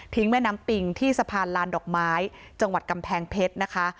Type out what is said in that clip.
แม่น้ำปิงที่สะพานลานดอกไม้จังหวัดกำแพงเพชรนะคะ